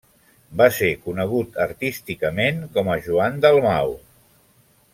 Va ser conegut artísticament com a Joan Dalmau.